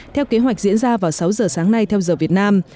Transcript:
theo kế hoạch diễn ra vào sáu giờ sáng nay theo giờ việt nam